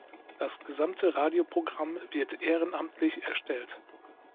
Das gesamte Radioprogramm wird ehrenamtlich erstellt.